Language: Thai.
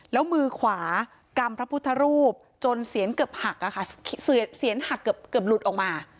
แล้วมือขวากำพระพุทธรูปจนเสียงหักเกือบหลุดออกมา